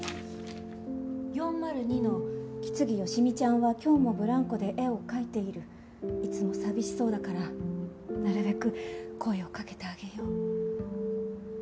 「４０２の木次好美ちゃんは今日もブランコで絵を描いている」「いつも寂しそうだからなるべく声をかけてあげよう」